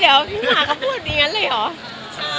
เดี๋ยวพี่หมาก็พูดอย่างนั้นเลยเหรอ